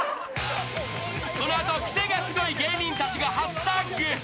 ［この後クセがスゴい芸人たちが初タッグ］